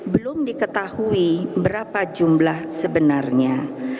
belum diketahui berapa jumlah sebenarnya